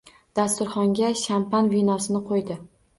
Dasturxonga shampan vinosini qo‘ydi.